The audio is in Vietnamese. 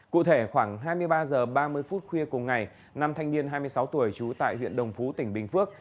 cụ thể khoảng hai mươi ba h ba mươi phút khuya cùng ngày năm thanh niên hai mươi sáu tuổi trú tại huyện đồng phú tỉnh bình phước